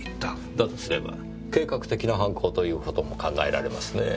だとすれば計画的な犯行という事も考えられますねぇ。